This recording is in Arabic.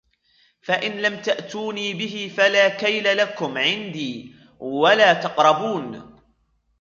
فإن لم تأتوني به فلا كيل لكم عندي ولا تقربون